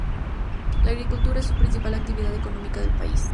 La agricultura es la principal actividad económica del país.